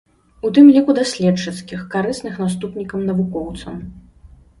У тым ліку даследчыцкіх, карысных наступнікам-навукоўцам.